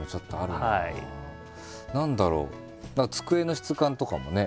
何だろう机の質感とかもね